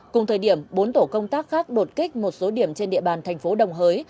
cùng thời điểm bốn tổ công tác khác đột kích một số điểm trên địa bàn thành phố đồng hới